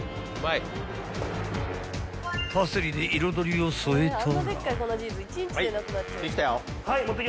［パセリで彩りを添えたら］